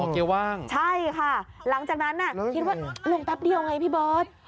เกียร์ว่างใช่ค่ะหลังจากนั้นน่ะคิดว่าลงแป๊บเดียวไงพี่เบิร์ต